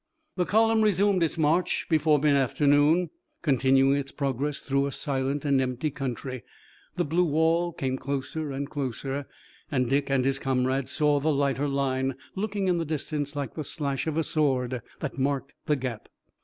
The column resumed its march before mid afternoon, continuing its progress through a silent and empty country. The blue wall came closer and closer and Dick and his comrade saw the lighter line, looking in the distance like the slash of a sword, that marked the gap.